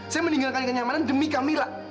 saya meninggalkan kenyamanan demi camillah